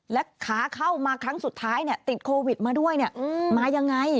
และขาเข้ามาครั้งสุดท้ายติดโควิดมาด้วยมายังไง